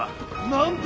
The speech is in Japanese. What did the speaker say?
なんと！